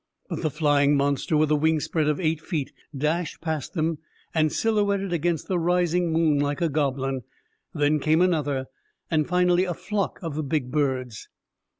But the flying monster, with a wing spread of eight feet, dashed past them, and silhouetted against the rising moon like a goblin. Then came another, and finally a flock of the big birds.